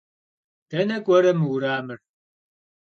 Dene k'uere mı vueramır?